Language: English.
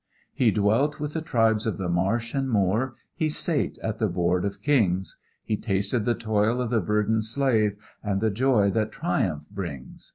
He dwelt with the tribes of the marsh and moor, He sate at the board of kings; He tasted the toil of the burdened slave And the joy that triumph brings.